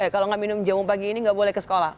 kalau nggak minum jamu pagi ini nggak boleh ke sekolah